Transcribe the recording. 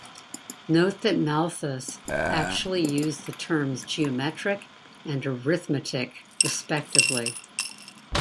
Note that Malthus actually used the terms geometric and arithmetic, respectively.